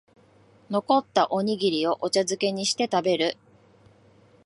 残ったおにぎりをお茶づけにして食べる